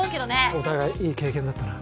お互いいい経験だったな。